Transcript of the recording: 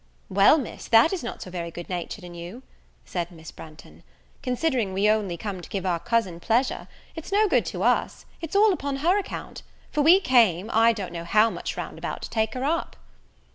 "Well, Miss, that is not so very good natured in you," said Miss Branghton, "considering we only come to give our cousin pleasure; it's no good to us; it's all upon her account; for we came, I don't know how much round about to take her up."